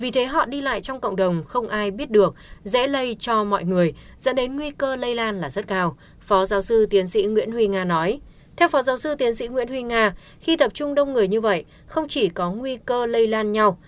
theo phó giáo sư tiến sĩ nguyễn huy nga khi tập trung đông người như vậy không chỉ có nguy cơ lây lan nhau